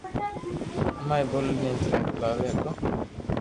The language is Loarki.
امري بولي ني انٽرنيٽ لاوي ھگو